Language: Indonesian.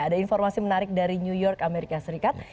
ada informasi menarik dari new york amerika serikat